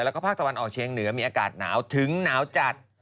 แล้วก็ภาคตะวันออกเชียงเหนือมีอากาศหนาวถึงหนาวจัด